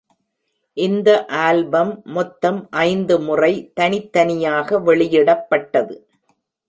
இந்த ஆல்பம் மொத்தம் ஐந்து முறை தனித்தனியாக வெளியிடப்பட்டது.